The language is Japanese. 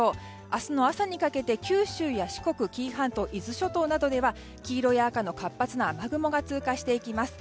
明日の朝にかけて九州や四国紀伊半島、伊豆諸島などでは黄色や赤の活発な雨雲が通過していきます。